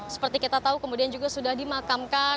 seperti kita tahu kemudian juga sudah dimakamkan